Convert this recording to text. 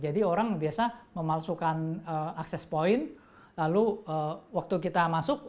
jadi orang biasa memasukkan access point lalu waktu kita masuk